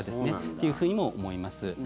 というふうにも思います。